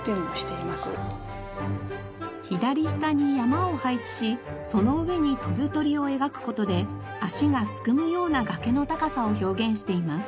左下に山を配置しその上に飛ぶ鳥を描く事で足がすくむような崖の高さを表現しています。